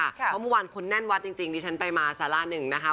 เพราะเมื่อวานคนแน่นวัดจริงดิฉันไปมาสาระหนึ่งนะคะ